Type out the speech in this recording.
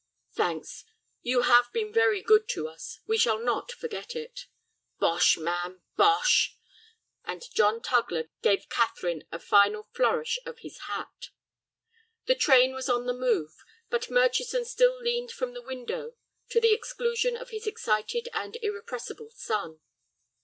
"Thanks. You have been very good to us. We shall not forget it." "Bosh, man, bosh!" and John Tugler gave Catherine a final flourish of his hat. The train was on the move, but Murchison still leaned from the window, to the exclusion of his excited and irrepressible son.